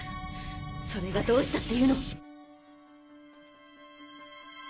それがどうしたっていうの。